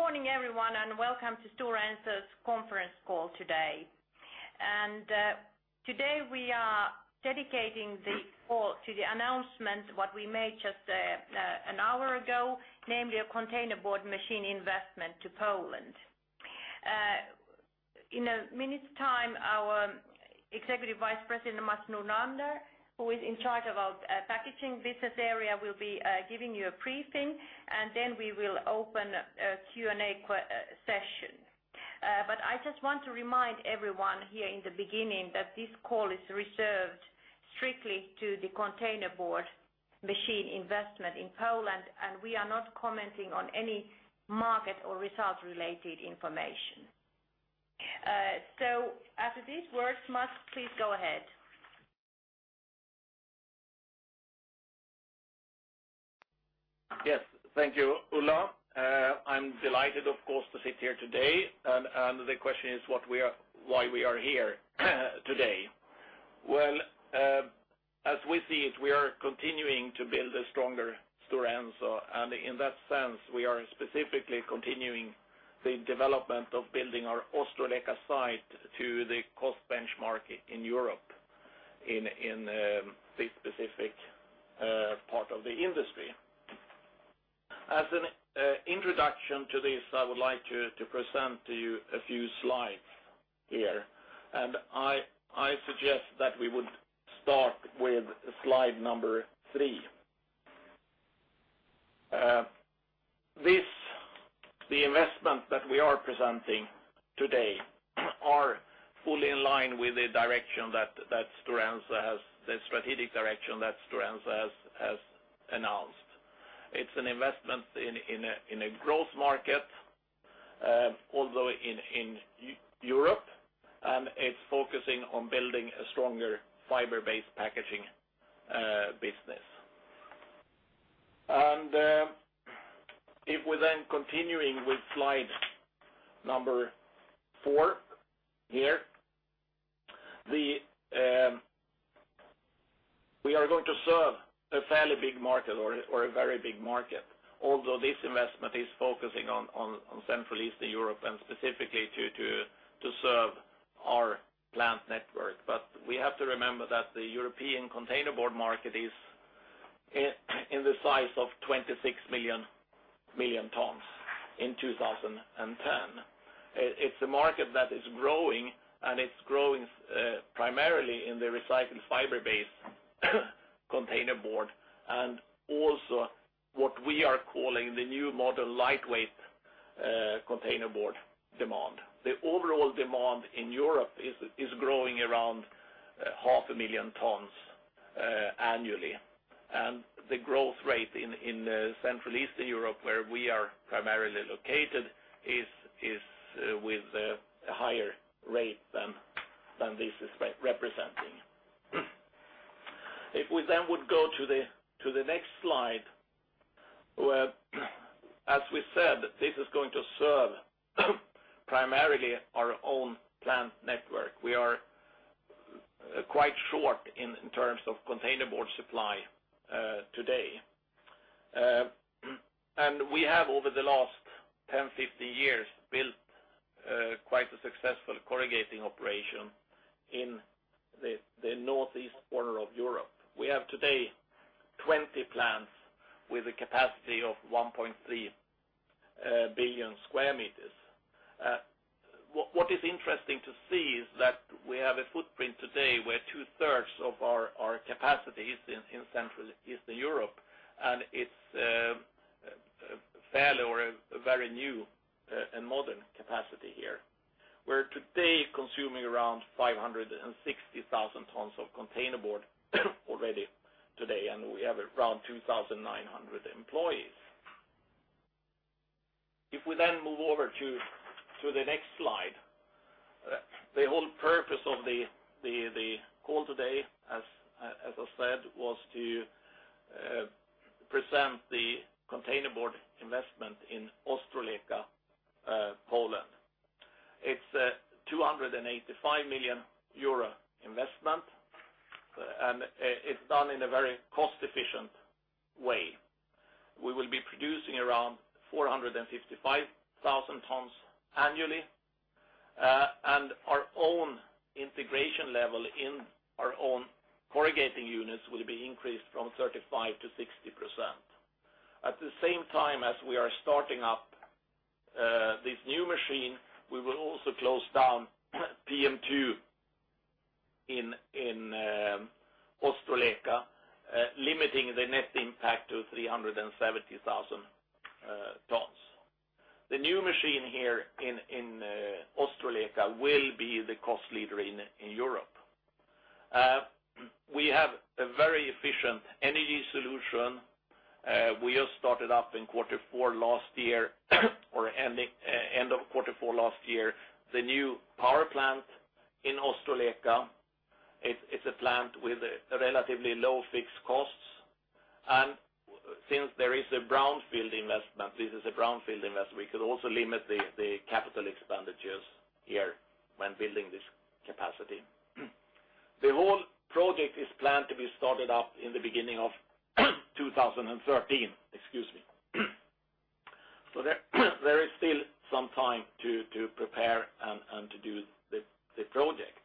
Good morning, everyone, and welcome to Stora Enso's conference call today. And today, we are dedicating the call to the announcement what we made just an hour ago, namely a containerboard machine investment to Poland. In a minute's time, our Executive Vice President, Masno Nander, who is in charge of our Packaging Business Area will be giving you a briefing and then we will open a Q and A session. But I just want to remind everyone here in the beginning that this call is reserved strictly to the containerboard machine investment in Poland and we are not commenting on any market or results related information. So after these words, Mats, please go ahead. Yes. Thank you, Ulla. I'm delighted, of course, to sit here today. And the question is what we are why we are here today. Well, as we see it, we are continuing to build a stronger Stora Enso. And in that sense, we are specifically continuing the development of building our Ostroleka site to the cost benchmark in Europe in this specific part of the industry. As an introduction to this, I would like to present to you a few slides here. And I suggest that we would start with Slide number three. This the investment that we are presenting today are fully in line with the direction that Sturenza has the strategic direction that Sturenza has announced. It's an investment in a growth market, although in Europe, and it's focusing on building a stronger fiber based packaging business. And if we then continuing with Slide number four here, the we are going to serve a fairly big market or a very big market, although this investment is focusing on Central, Eastern Europe and specifically to serve our plant network. But we have to remember that the European containerboard market is in the size of 26,000,000 tons in 2010. It's a market that is growing and it's growing primarily in the recycled fiber base containerboard and also what we are calling the new model lightweight containerboard demand. The overall demand in Europe is growing around 500,000 tons annually. And the growth rate in Central Eastern Europe, where we are primarily located, is with a higher rate than this is representing. If we then would go to the next slide, where as we said, this is going to serve primarily our own plant network. We are quite short in terms of containerboard supply today. And we have over the last ten, fifteen years built quite a successful corrugating operation in the Northeast Border Of Europe. We have today 20 plants with a capacity of 1,300,000,000 square meters. What is interesting to see is that we have a footprint today where two thirds of our capacities in Central Eastern Europe and it's fairly or a very new and modern capacity here. We're today consuming around 560,000 tons of containerboard already today, and we have around 2,900 employees. If we then move over to the next slide, the whole purpose of the call today, as I said, was to present the containerboard investment in Ostroleka, Poland. It's a EUR $285,000,000 investment, and it's done in a very cost efficient way. We will be producing around 455,000 tons annually, and our own integration level in our own corrugating units will be increased from 35% to 60%. At the same time, as we are starting up this new machine, we will also close down PM2 in Ostroleka, limiting the net impact to 370,000 tons. The new machine here in Australia will be the cost leader in Europe. We have a very efficient energy solution. We have started up in quarter four last year or ending '4 last year, the new power plant in Ostroleka. It's a plant with relatively low fixed costs. And since there is a brownfield investment, this is a brownfield investment, we could also limit the capital expenditures here when building this capacity. The whole project is planned to be started up in the 2013, excuse me. So there is still some time to prepare and to do the project.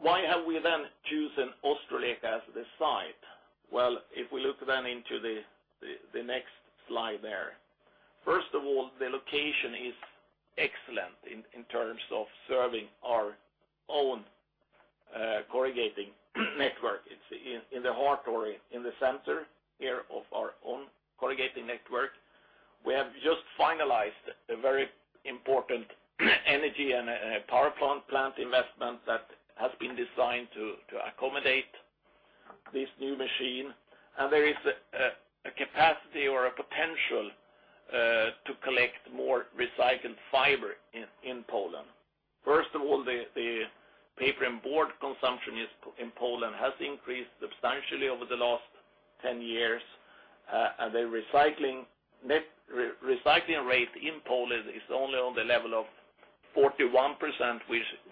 Why have we then chosen Australek as the site? Well, if we look then into the next slide there. First of all, the location is excellent in terms of serving our own corrugating network. It's in the heart or in the center here of our own corrugating network. We have just finalized a very important energy and power plant investment that has been designed to accommodate this new machine. And there is a capacity or a potential to collect more recycled fiber in Poland. First of all, the paper and board consumption in Poland has increased substantially over the last ten years. And the recycling rate in Poland is only on the level of 41%,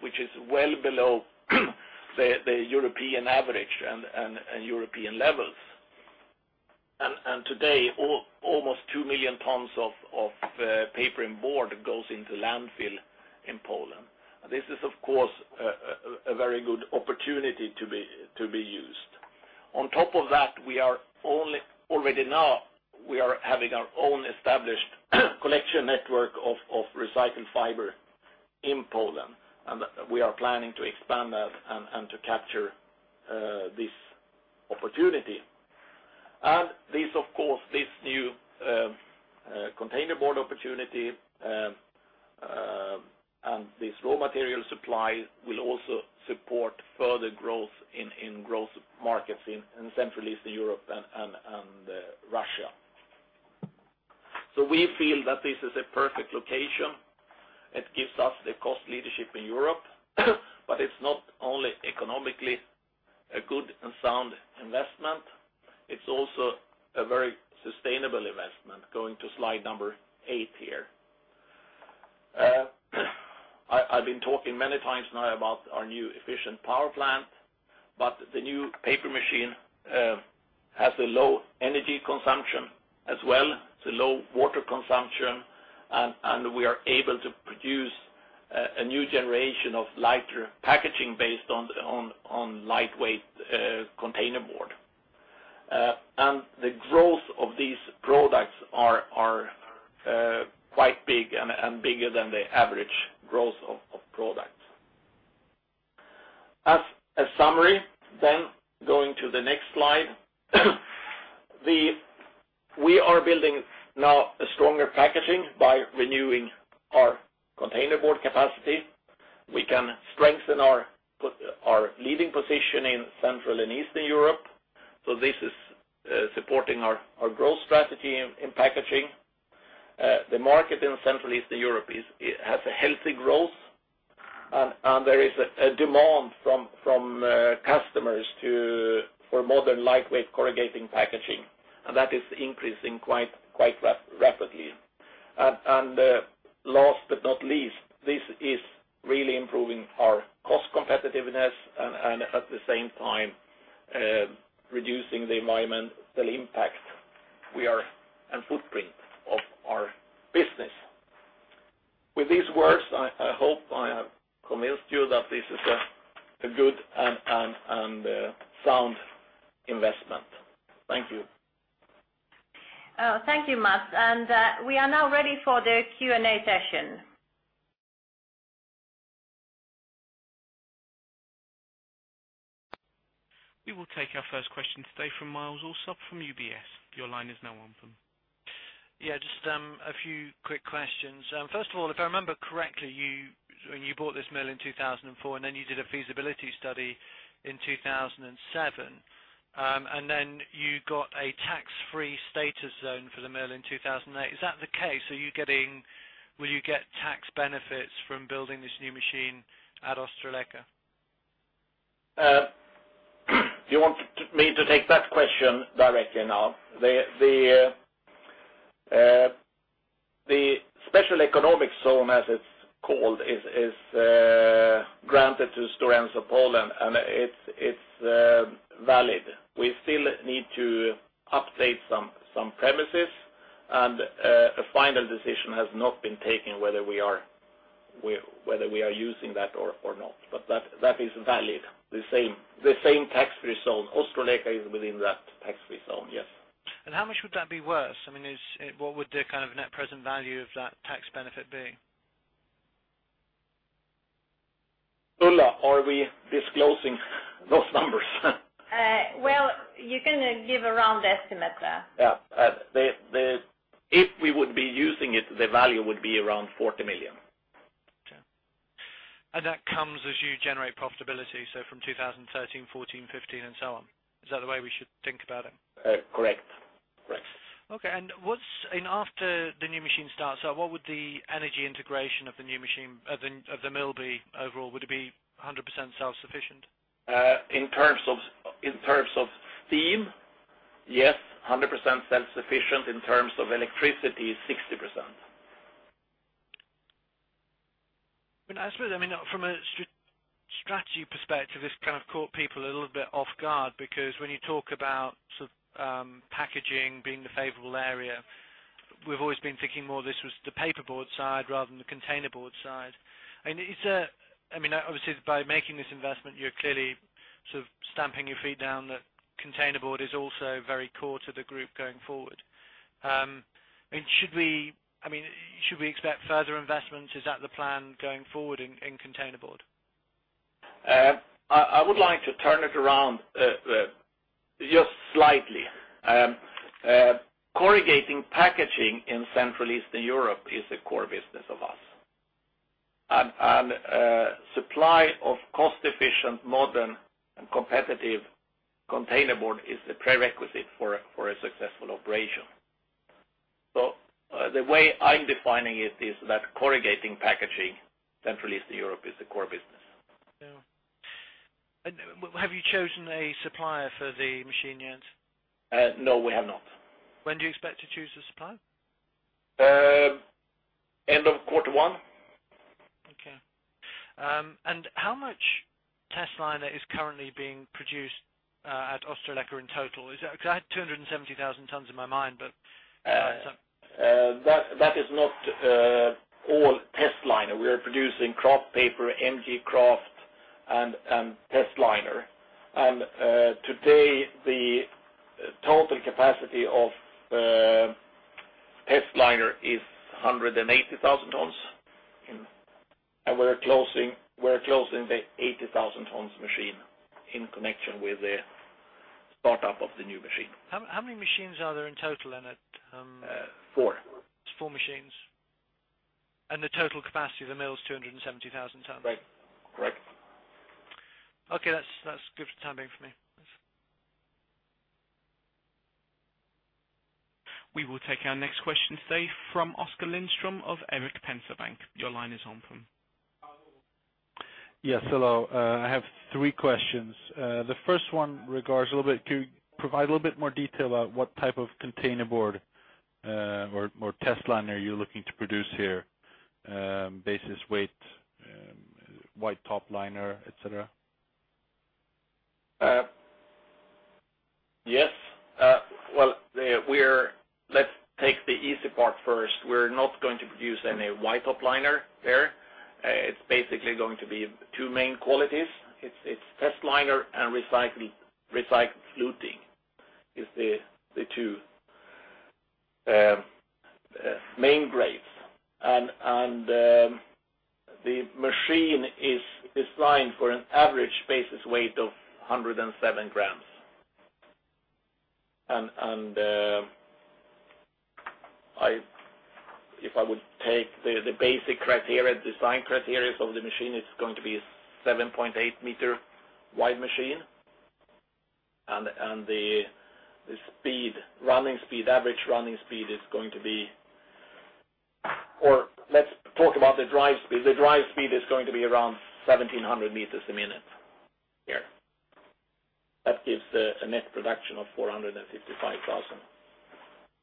which is well below the European average and European levels. And today almost 2,000,000 tonnes of paper and board goes into landfill in Poland. This is of course a very good opportunity to be used. On top of that, we are only already now we are having our own established collection network of recycled fiber in Poland and we are planning to expand that and to capture this opportunity. And this of course, this new containerboard opportunity and this raw material supply will also support further growth in growth markets in Central Eastern Europe and Russia. So we feel that this is a perfect location. It gives us the cost leadership in Europe, but it's not only economically a good and sound investment, it's also a very sustainable investment going to slide number eight here. I've been talking many times now about our new efficient power plant, but the new paper machine has a low energy consumption as well, the low water consumption, and we are able to produce a new generation of lighter packaging based on lightweight containerboard. And the growth of these products are quite big and bigger than the average growth of product. As a summary, then going to the next slide. We are building now a stronger packaging by renewing our containerboard capacity. We can strengthen our leading position in Central And Eastern Europe. So this is supporting our growth strategy in packaging. The market in Central And Eastern Europe has a healthy growth and there is a demand from customers to for modern lightweight corrugating packaging and that is increasing quite rapidly. And last but not least, this is really improving our cost competitiveness and at the same time reducing the environmental impact we are and footprint of our business. With these words, I hope I have convinced you that this is a good and sound investment. Thank you. Thank you, Mats. And we are now ready for the Q and A session. We will take our first question today from Myles Allsop from UBS. Yes. Just a few quick questions. First of all, if I remember correctly, when you bought this mill in 2004 and then you did a feasibility study in 02/2007, and then you got a tax free status zone for the mill in 02/2008. Is that the case? Are you getting will you get tax benefits from building this new machine at Ostraleka? Do you want me to take that question directly now? The special economic zone as it's called is granted to Storians of Poland and it's valid. We still need to update some premises and a final decision has not been taken whether we are using that or not. But that is valid the same tax free zone. Ostroleka is within that tax free zone, yes. And how much would that be worse? I mean is what would the kind of net present value of that tax benefit be? Ulla, are we disclosing those numbers? Well, you can give a round estimate. Yes. If we would be using it, the value would be around €40,000,000 Okay. And that comes as you generate profitability, so from 2013, 2014, 2015 and so on. Is that the way we should think about it? Correct. Correct. Okay. And what's and after the new machine starts up, what would the energy integration of the new machine of the mill be overall? Would it be 100% self sufficient? In terms of steam, yes, 100% self sufficient. In terms of electricity, 60%. I from a strategy perspective, this kind of caught people a little bit off guard because when you talk about sort of packaging being the favorable area, we've always been thinking more this was the paperboard side rather than the containerboard side. And is there I mean, obviously, by making this investment, you're clearly sort of stamping your feet down that containerboard is also very core to the group going forward. And should we I mean, should we expect further investments? Is that the plan going forward in containerboard? I would like to turn it around just slightly. Corrugating packaging in Central Eastern Europe is a core business of us. And supply of cost efficient modern and competitive containerboard is the prerequisite for a successful operation. So the way I'm defining it is that corrugating packaging Central Eastern Europe is the core business. Have you chosen a supplier for the machine yet? No, we have not. When do you expect to choose the supplier? '1. Okay. And how much testliner is currently being produced at Ostroleka in total? Is that because I had 270,000 tonnes in my mind, but That is not all testliner. We are producing kraft paper, MG kraft and testliner. And today, the total capacity of test liner is 180,000 tons and we're closing the 80,000 tons machine in connection with the start up of the new machine. How many machines are there in total in it? Four. It's four machines. And the total capacity of the mill is 270,000 tonnes? Right. Correct. Okay. That's good for the time being for me. We will take our next question today from Oscar Lindstrom of Erik Pence Bank. Your line is open. Yes. Hello. I have three questions. The first one regards a little bit could you provide a little bit more detail about what type of containerboard or testliner you're looking to produce here basis weight, white top liner, etcetera? Yes. Well, we are let's take the easy part first. We're not going to produce any white top liner there. It's basically going to be two main qualities. It's test liner and recycled fluting is the two main grades. And the machine is designed for an average basis weight of 107 grams. And I if I would take the basic criteria design criteria of the machine, it's going to be a 7.8 meter wide machine. And the speed running speed average running speed is going to be or let's talk about the drive speed. The drive speed is going to be around 1,700 meters a minute here. That gives a net production of 455,000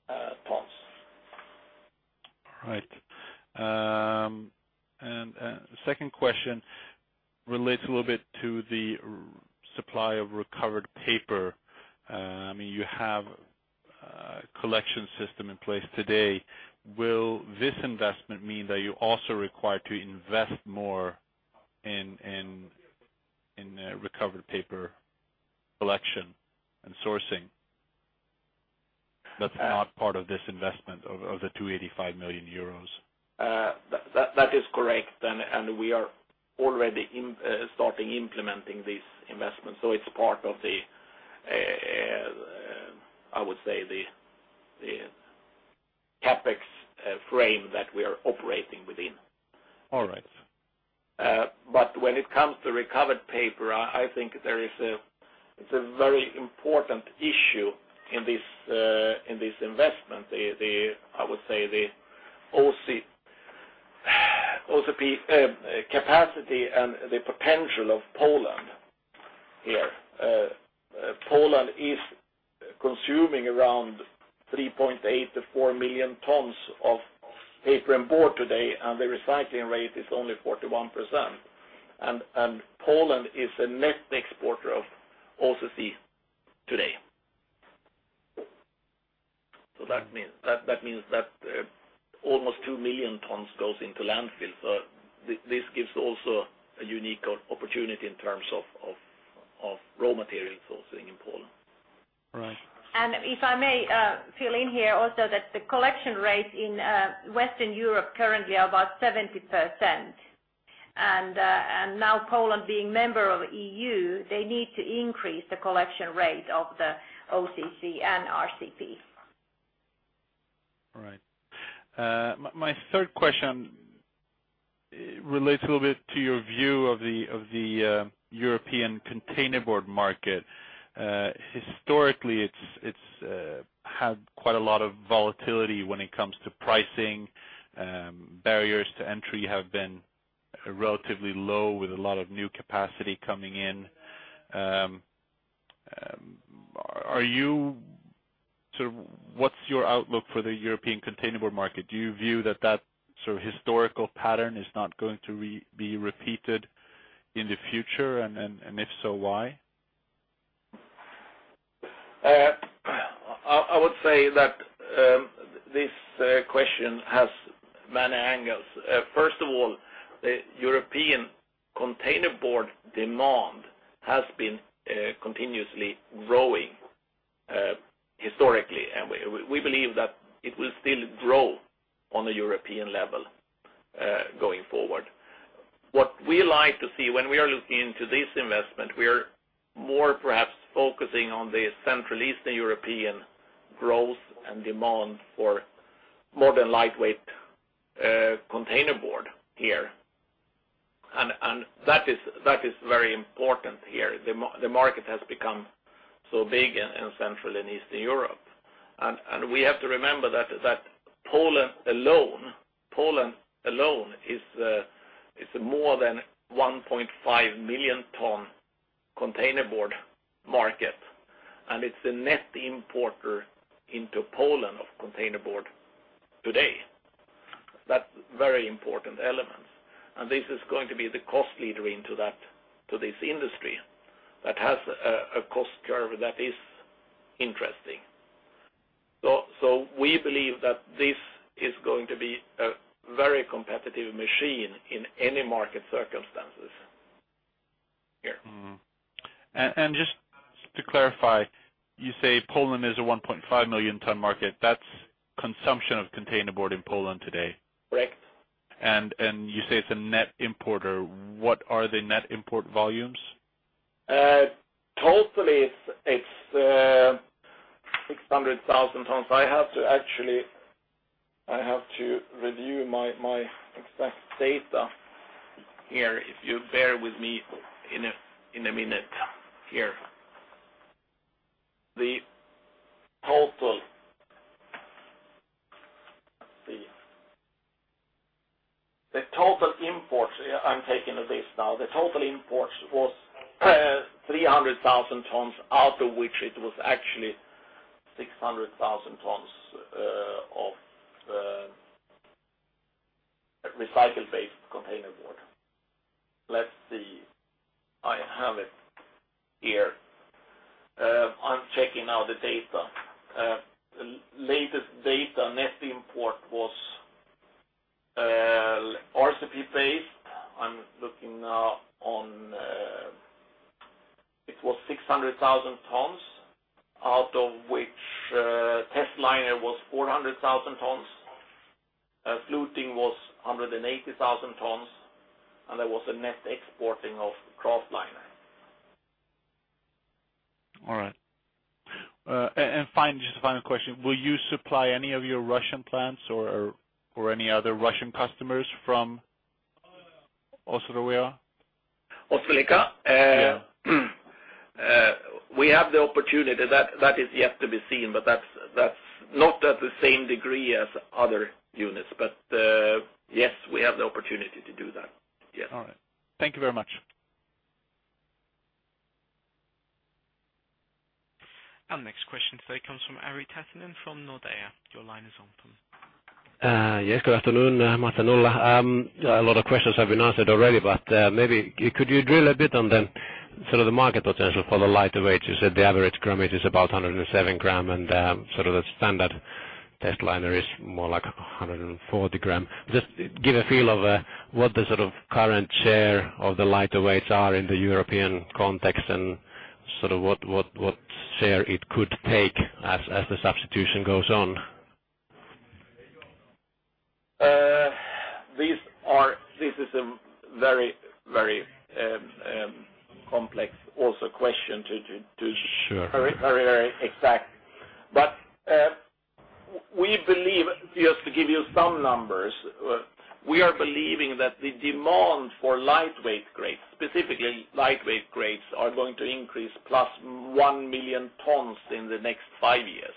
tonnes. All right. And second question relates a little bit to the supply of recovered paper. I mean, you have a collection system in place today. Will this investment mean that you're also required to invest more in recovered paper collection and sourcing? That's not part of this investment of the €285,000,000 That is correct. And we are already starting implementing these investments. So it's part of the, I would say, CapEx frame that we are operating within. All right. But when it comes to recovered paper, I think there is a it's a very important issue in this investment. I would say the OCP capacity and the potential of Poland here. Poland is consuming around 3,800,000 to 4,000,000 tonnes of paper and board today and the recycling rate is only 41%. And Poland is a net exporter of OCC today. So that means that almost 2,000,000 tons goes into landfill. So this gives also a unique opportunity in terms of raw material sourcing in Poland. Right. And if I may fill in here also that the collection rates in Western Europe currently are about 70%. And now Poland being member of EU, they need to increase the collection rate of the OCC and RCP. Right. My third question relates a little bit to your view of the European containerboard market. Historically, it's had quite a lot of volatility when it comes to pricing. Barriers to entry have been relatively low with a lot of new capacity coming in. Are you sort of what's your outlook for the European containerboard market? Do you view that that sort of historical pattern is not going to be repeated in the future? And if so, why? I would say that this question has many angles. First of all, the European containerboard demand has been continuously growing historically. And we believe that it will still grow on the European level going forward. What we like to see when we are looking into this investment, we are more perhaps focusing on the Central Eastern European growth and demand for modern lightweight containerboard here. And that is very important here. The market has become so big in Central And Eastern Europe. And we have to remember that Poland alone is more than 1,500,000 tonne containerboard market and it's a net importer into Poland of containerboard today. That's very important element. And this is going to be the cost leader into that to this industry that has a cost curve that is interesting. So we believe that this is going to be a very competitive machine in any market circumstances here. And just to clarify, you say Poland is a 1,500,000 tonne market. That's consumption of containerboard in Poland today? Correct. And you say it's a net importer. What are the net import volumes? Totally, it's 600,000 tonnes. I have to actually have to review my exact data here, if you bear with me in a minute here. The total imports I'm taking this now. The total imports was 300,000 tonnes out of which it was actually 600,000 tonnes of recycled based containerboard. Let's see. I have it here. I'm checking now the data. Latest data net import was RCP based. I'm looking now on it was 600,000 tons out of which testliner was 400,000 tons, fluting was 180,000 tonnes and there was a net exporting of kraftliner. All right. And finally, just a final question. Will you supply any of your Russian plants or any other Russian customers from Osloye? Osloyeka? We have the opportunity. That is yet to be seen, but that's not at the same degree as other units. But yes, we have the opportunity to do that. Yes. All right. Thank you very much. Next question today comes from Ari Tassenin from Nordea. Your line is open. Yes. Good afternoon, Martin Ulla. A lot of questions have been answered already, but maybe could you drill a bit on the sort of the market potential for the lighter weight? You said the average grammage is about 107 gram and sort of the standard testliner is more like 140 gram. Just give a feel of what the sort of current share of the lighter weights are in the European context and sort of what share it could take as the substitution goes on? This is a very, very complex also question to be very, very exact. But we believe just to give you some numbers, we are believing that the demand for lightweight grades, specifically lightweight grades are going to increase plus 1,000,000 tons in the next five years,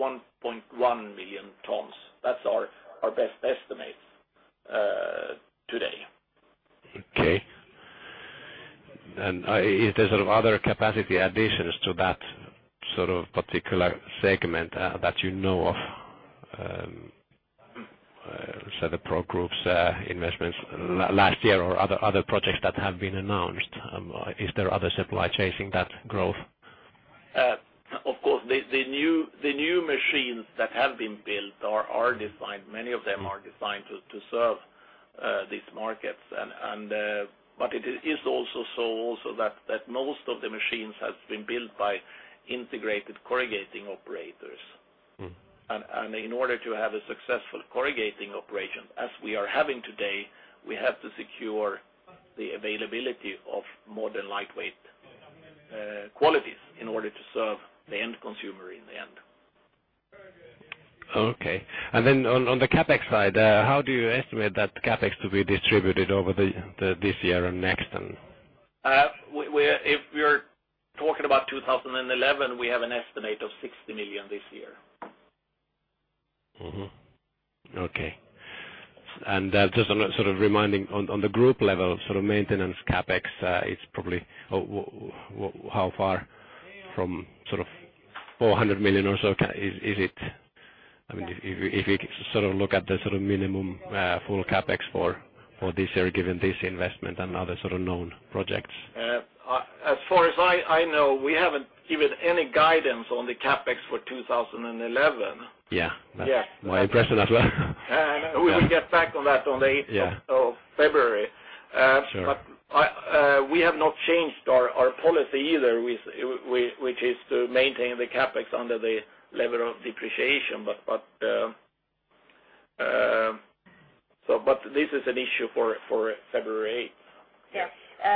1,000,000, one point five million one point one million tons. That's our best estimate today. Okay. And is there sort of other capacity additions to that sort of particular segment that you know of, say, Pro Group's investments last year or other projects that have been announced? Is there other supply chasing that growth? Of course, the new machines that have been built are designed many of them are designed to serve these markets. But it is also so also that most of the machines has been built by integrated corrugating operators. And in order to have a successful corrugating operation as we are having today, we have to secure the availability of modern lightweight qualities in order to serve the end consumer in the end. Okay. And then on the CapEx side, how do you estimate that CapEx to be distributed over this year and next then? If we are talking about 2011, we have an estimate of 60,000,000 this year. Okay. And just sort of reminding on the group level sort of maintenance CapEx, it's probably how far from sort of €400,000,000 or so is it? I mean, if you sort of look at the sort of minimum full CapEx for this year given this investment and other sort of known projects? As far as I know, we haven't given any guidance on the CapEx for 2011. Yes. My impression as well. We will get back on that on the February 8. But we have not changed our policy either which is to maintain the CapEx under the level of depreciation. But this is an issue for February. Yes.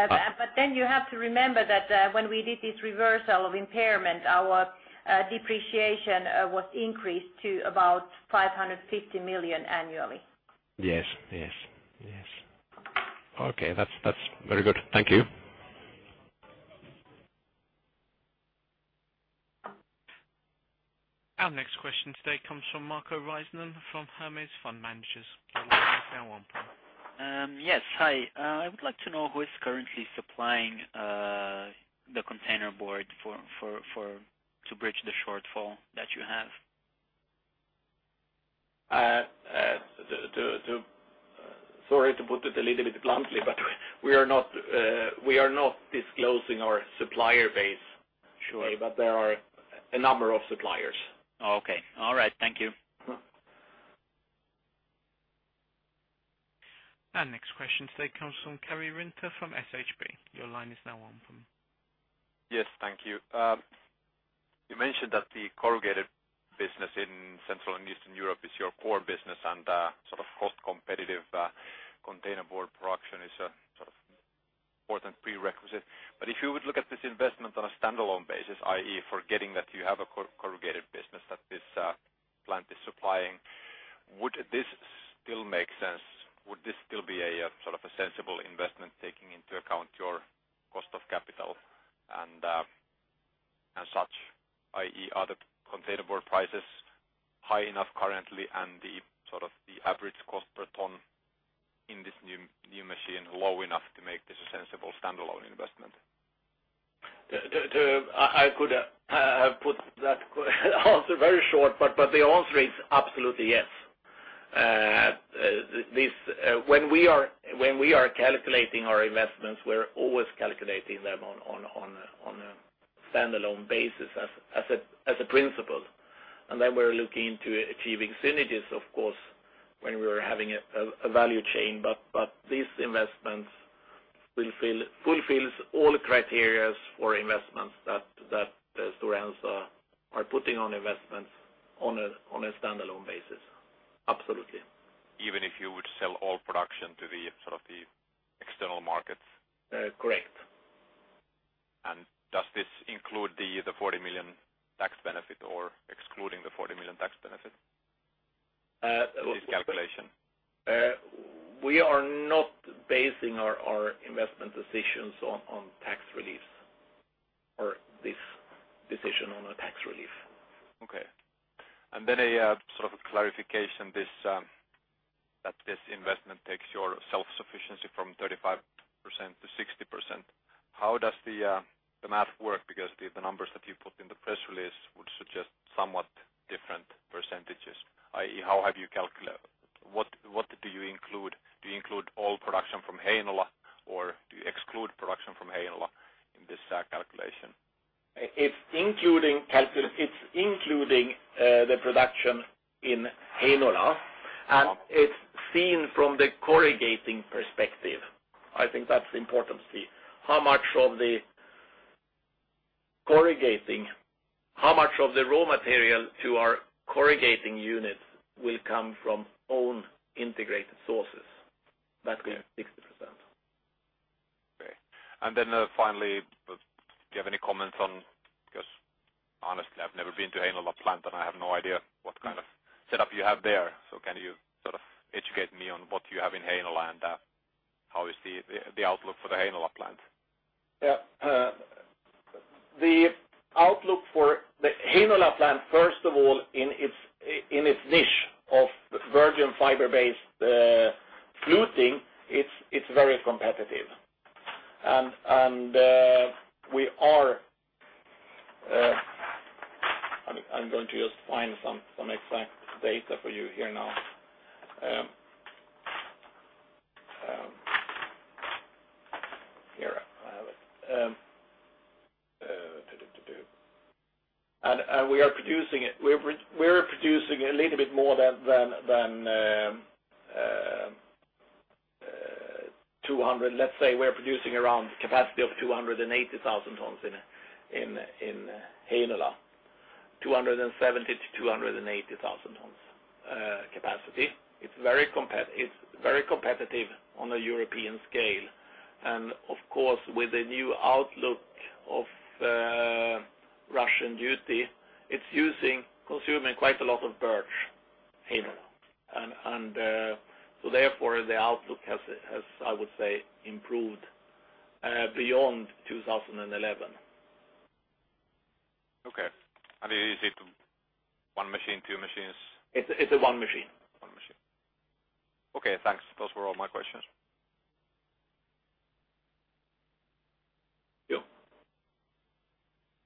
But then you have to remember that when we did this reversal of impairment, our depreciation was increased to about €550,000,000 annually. Yes, yes, yes. Okay. That's very good. Thank you. Our next question today comes from Marco Reisman from Hermes Fund Managers. Your line is now open. Yes. Hi. I would like to know who is currently supplying the containerboard for to bridge the shortfall that you have? Sorry to put it a little bit bluntly, but we are not disclosing our supplier base, but there are a number of suppliers. Okay. All right. Thank you. Our next question today comes from Karri Rinta from SHB. Your line is now open. Yes, thank you. You mentioned that the corrugated business in Central And Eastern Europe is your core business and sort of cost competitive containerboard production is a sort of important prerequisite. But if you would look at this investment on a stand alone basis, I. E, forgetting that you have a corrugated business that this plant is supplying, would this still make sense? Would this still be a sort of a sensible investment taking into account your cost of capital and such I. E. Are the containerboard prices high enough currently and the sort of the average cost per tonne in this new machine low enough to make this a sensible standalone investment? I could have put that answer very short, but the answer is absolutely yes. This when we are calculating our investments, we're always calculating them on a stand alone basis as a principle. And then we're looking to achieving synergies, of course, when we're having a value chain. But these investments will fill fulfills all criterias for investments that store ends are putting on investments on a stand alone basis, absolutely. Even if you would sell all production to the sort of the external markets? Correct. And does this include the 40,000,000 tax benefit or excluding the 40,000,000 tax benefit in this calculation? We are not basing our investment decisions on tax relief or this decision on the tax relief. Okay. And then a sort of a clarification, this that this investment takes your self sufficiency from 35% to 60%. How does the math work? Because the numbers that you put in the press release would suggest somewhat different percentages, I. E, how have you calculate what do you include? Do you include all production from Hainola? Or do you exclude production from Hainola in this calculation? It's including the production in Hainola and it's seen from the corrugating perspective. I think that's important to see how much of the corrugating how much of the raw material to our corrugating units will come from own integrated sources. That's going be 60%. Okay. And then finally, do you have any comments on because honestly, I've never been to Hainola plant and I have no idea what kind of setup you have there. So can you sort of educate me on what you have in Hainola and how is the outlook for the Hainola plant? Yes. The outlook for the Hainola plant first of all in its niche of virgin fiber based fluting, it's very competitive. And we are I'm going to just find some exact data for you here now. And we are producing a little bit more than 200,000. Let's say, we're producing around capacity of 280,000 tonnes in Hainanola, 270,000 to 280,000 tonnes capacity. It's very competitive on a European scale. And of course with the new outlook of Russian duty, it's using consuming quite a lot of birch in. And so therefore, the outlook has, I would say, improved beyond 2011. Okay. And is it one machine, two machines? It's a one machine. One machine. Okay. Thanks. Those were all my questions.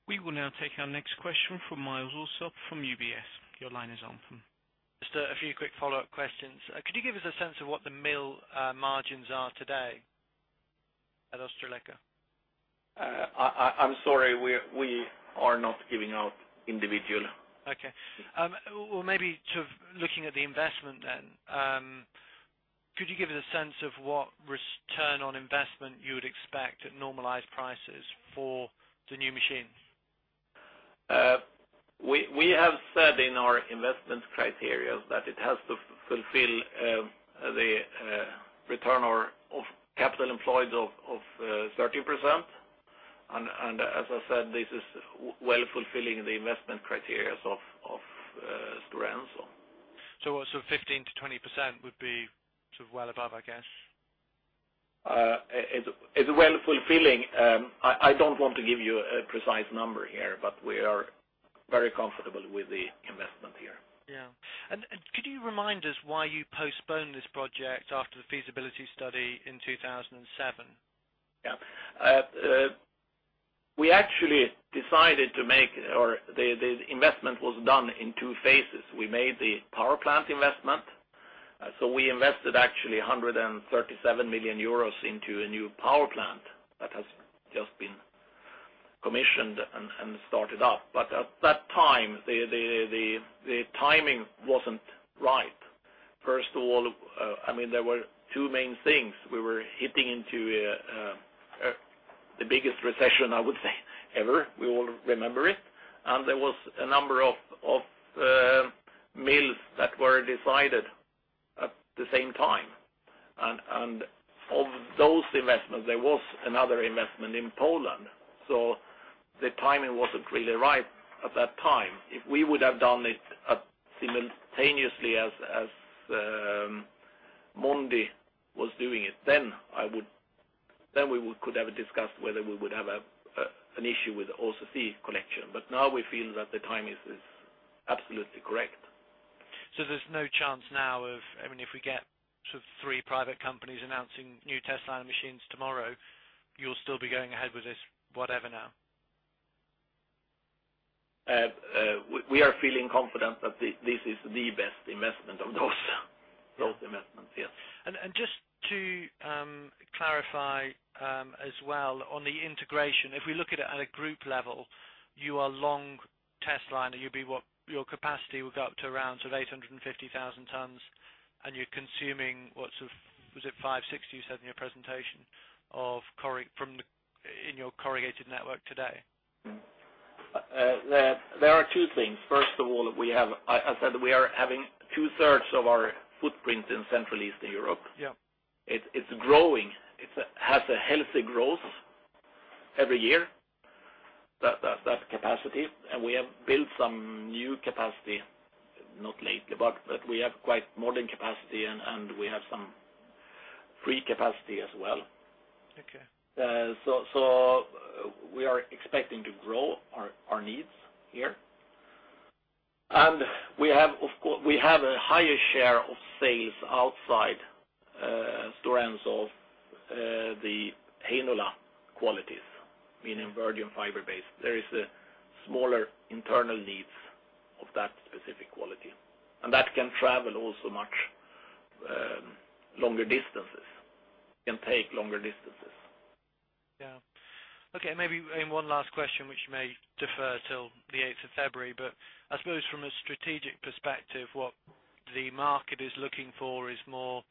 We will now take our next question from Myles Allsop from UBS. Just a few quick follow-up questions. Could you give us a sense of what the mill margins are today at Ostraleka? I'm sorry, we are not giving out individual. Okay. Well, maybe sort of looking at the investment then, could you give us a sense of what return on investment you would expect at normalized prices for the new machine? We have said in our investment criteria that it has to fulfill the return of capital employed of 13%. And as I said, this is well fulfilling the investment criterias of Stora Enso. So 15% to 20% would be sort of well above, I guess? It's well fulfilling. I don't want to give you a precise number here, but we are very comfortable with the investment here. Yes. And could you remind us why you postponed this project after the feasibility study in 02/2007? Yes. We actually decided to make or the investment was done in two phases. We made the power plant investment. So we invested actually €137,000,000 into a new power plant that has just been commissioned and started up. But at that time, the timing wasn't right. First of all, I mean, were two main things. We were hitting into the biggest recession, I would say, ever. We all remember it. And there was a number of mills that were decided at the same time. And of those investments there was another investment in Poland. So the timing wasn't really right at that time. If we would have done it simultaneously as Mondi was doing it then I would then we could have discussed whether we would have an issue with the OCC collection. But now we feel that the time is absolutely correct. So there's no chance now of I mean if we get sort of three private companies announcing new testliner machines tomorrow, you'll still be going ahead with this whatever now? We are feeling confident that this is the best investment of those growth investments, yes. And just to clarify as well on the integration, if we look at it at a group level, you are long testliner. You'll be what your capacity will go up to around sort of 850,000 tonnes and you're consuming what sort of was it five sixty you said in your presentation of from in your corrugated network today? There are two things. First of all, we have I said that we are having two thirds of our footprint in Central And Eastern Europe. It's growing. It has a healthy growth every year that capacity. And we have built some new capacity not lately, but we have quite modern capacity and we have some free capacity as well. Okay. So we are expecting to grow our needs here. And we have a higher share of sales outside Storanza of the Hainola qualities, meaning virgin fiber base. There is a smaller internal needs of that specific quality. And that can travel also much longer distances, can take longer distances. Yes. Okay. Maybe one last question, which may defer till the February 8. But I suppose from a strategic perspective, what the market is looking for is more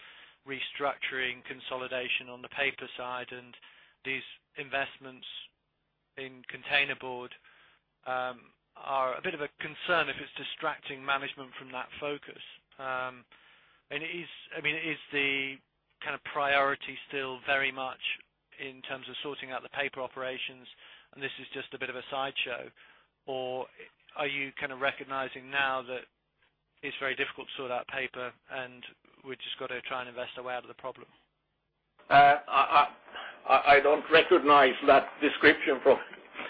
restructuring consolidation on the paper side and these investments in containerboard are a bit of a concern if it's distracting management from that focus. And is I mean, the kind of priority still very much in terms of sorting out the paper operations and this is just a bit of a sideshow? Or are you kind of recognizing now that it's very difficult to sort out paper and we've just got to try and invest our way out of the problem? I don't recognize that description from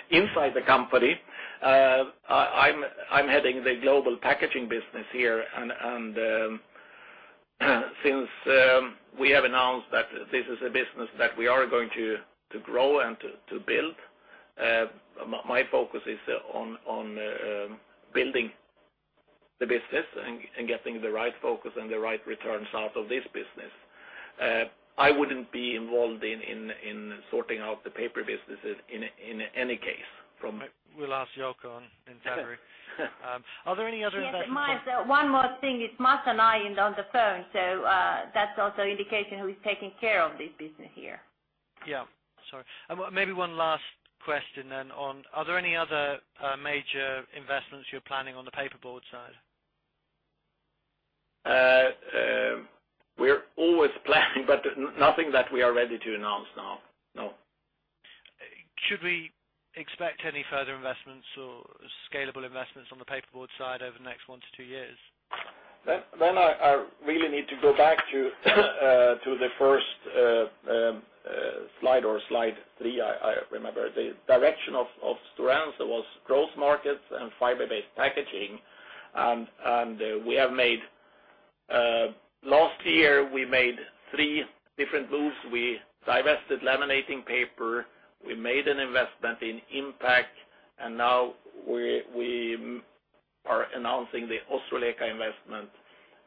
inside the company. I'm heading the global packaging business here. And since we have announced that this is a business that we are going to grow and to build, my focus is on building the business and getting the right focus and the right returns out of this business. I wouldn't be involved in sorting out the paper businesses in any case from We'll ask Joko in January. Are there any other Yes, remind one more thing. It's Mats and I on the phone, so that's also indication who is taking care of this business here. Yes, sorry. Maybe one last question then on are there any other major investments you're planning on the paperboard side? We're always planning, but nothing that we are ready to announce now. No. Should we expect any further investments or scalable investments on the paperboard side over the next one to two years? Then I really need to go back to the first slide or Slide three, I remember. The direction of STURANCE was growth markets and fiber based packaging. And we have made last year, we made three different moves. We divested laminating paper. We made an investment in impact. And now we are announcing the Ossroleka investment.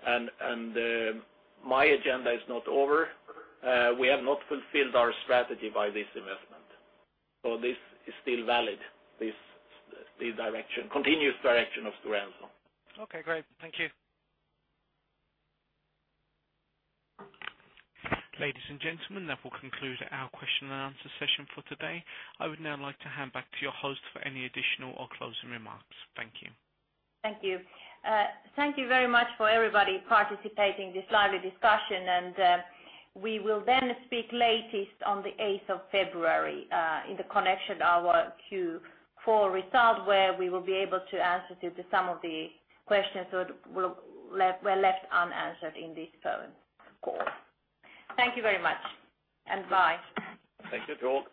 And my agenda is not over. We have not fulfilled our strategy by this investment. So this is still valid, this direction continuous direction of Sturenso. Okay, great. Thank you. Ladies and gentlemen, that will conclude our question and answer session for today. I would now like to hand back to your host for any additional or closing remarks. Thank you. Thank you. Thank you very much for everybody participating in this lively discussion. And we will then speak latest on the February 8 in connection our Q4 results where we will be able to answer to some of the questions that were left unanswered in this phone call. Thank you very much and bye. Thank you, Torg.